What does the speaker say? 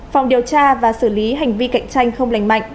phòng điều tra và xử lý hành vi cạnh tranh không lành mạnh